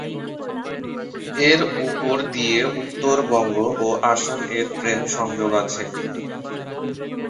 এর উপর দিয়ে উত্তরবঙ্গ ও আসাম এর ট্রেন সংযোগ আছে।